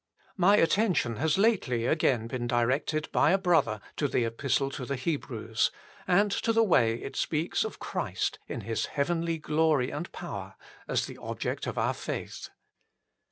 My attention has lately again been directed by a brother to the Epistle to the Hebrews, and to the way it speaks of Christ in His heavenly glory and power as the object of our faith.